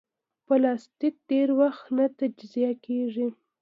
پلاستيک ډېر وخت نه تجزیه کېږي.